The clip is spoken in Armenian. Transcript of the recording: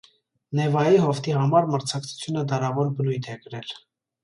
Նևայի հովտի համար մրցակցությունը դարավոր բնույթ է կրել։